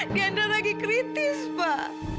diandra lagi kritis pak